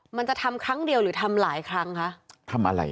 มันจะทำครั้งเดียวหรือทำหลายครั้งคะทำอะไร